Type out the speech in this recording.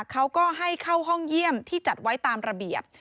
เขาก็ให้เข้าห้องเยี่ยมที่จัดไว้ตามระเบียบ